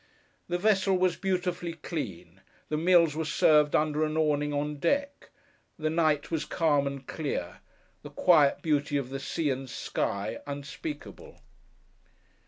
The vessel was beautifully clean; the meals were served under an awning on deck; the night was calm and clear; the quiet beauty of the sea and sky unspeakable.